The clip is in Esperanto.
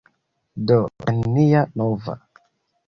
Do, jen nia nova...